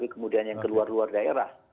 kemudian yang keluar luar daerah